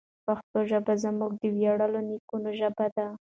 پښتو ژبه زموږ د ویاړلو نیکونو ژبه ده.